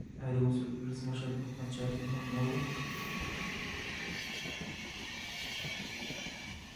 آیا ولسمشر د حکومت چارې پرمخ نه وړي؟